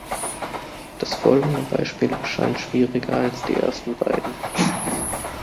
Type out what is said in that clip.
Das folgende Beispiel erscheint schwieriger als die ersten beiden.